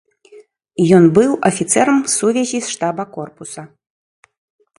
Ён быў афіцэрам сувязі штаба корпуса.